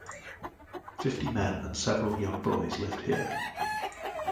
Fifty men and several young boys lived here.